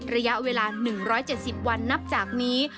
ระยะเวลา๑๗๐วันนับจากนี้